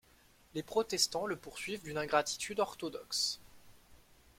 Les protestants le poursuivent d’une ingratitude orthodoxe.